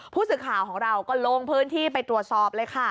ผู้สื่อข่าวของเราก็ลงพื้นที่ไปตรวจสอบเลยค่ะ